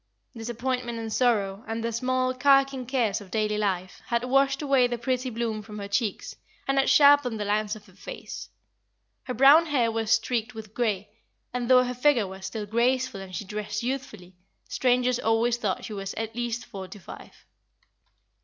Disappointment and sorrow, and the small, carking cares of daily life, had washed away the pretty bloom from her cheeks, and had sharpened the lines of her face. Her brown hair was streaked with grey, and though her figure was still graceful and she dressed youthfully, strangers always thought she was at least forty five.